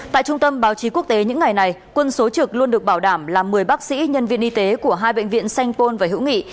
tại trung tâm báo chí quốc tế những ngày này quân số trực luôn được bảo đảm là một mươi bác sĩ nhân viên y tế của hai bệnh viện sanh pôn và hữu nghị